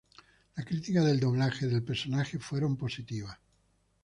Las críticas del doblaje del personaje fueron positivas.